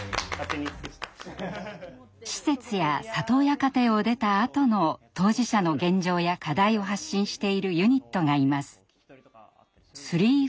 施設や里親家庭を出たあとの当事者の現状や課題を発信しているユニットがいます。